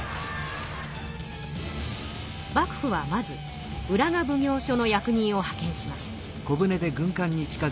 幕府はまず浦賀ぶぎょう所の役人をはけんします。